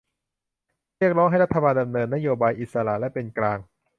เรียกร้องให้รัฐบาลดำเนินนโยบายอิสระและเป็นกลาง